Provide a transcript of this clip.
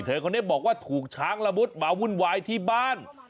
คนนี้บอกว่าถูกช้างละมุดมาวุ่นวายที่บ้าน